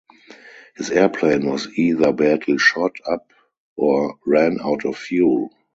His airplane was either badly shot up or ran out of fuel.